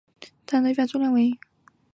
它们一般的重量为。